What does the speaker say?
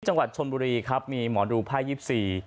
จังหวัดชนบุรีครับมีหมอดูไพ่๒๔